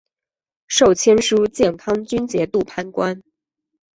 授签书建康军节度判官。